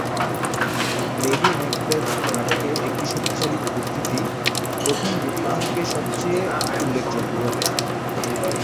Lady Macbeth নাটকের একটি শক্তিশালী উপস্থিতি, প্রথম দুটি অঙ্কে সবচেয়ে উল্লেখযোগ্যভাবে।